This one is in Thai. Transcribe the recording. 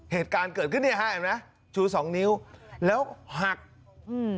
เหตุการณ์เกิดขึ้นเนี้ยฮะเห็นไหมชูสองนิ้วแล้วหักอืม